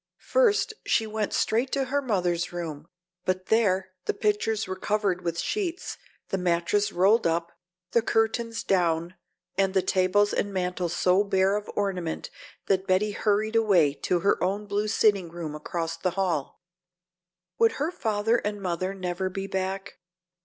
First she went straight to her mother's room, but there the pictures were covered with sheets, the mattress rolled up, the curtains down, and the tables and mantel so bare of ornament that Betty hurried away to her own blue sitting room across the hall. Would her father and mother never be back?